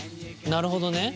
なるほどね。